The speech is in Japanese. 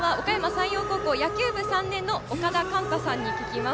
山陽高校野球部３年のおかだかんたさんに聞きます。